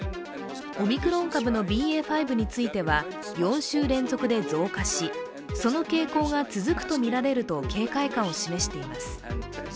オミクロン株のＢＡ．５については４週連続で増加しその傾向が続くとみられると警戒感を示しています。